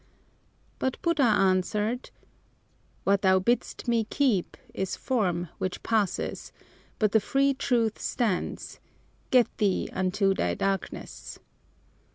But Buddha answered, "What thou bidd'st me keep Is form which passes, but the free Truth stands; Get thee unto thy darkness."